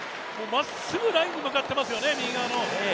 まっすぐラインに向かってますよね、右側の。